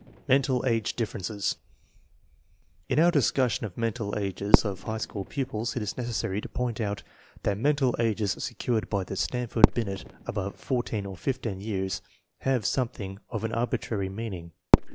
Mental age differences. In our discussion of mental ages of high school pupils it is necessary to point out that mental ages secured by the Stanford Binet above 14 or 15 years have something of an arbitrary mean ing.